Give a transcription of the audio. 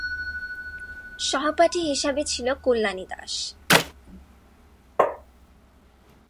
সহপাঠী হিসাবে ছিল কল্যাণী দাস।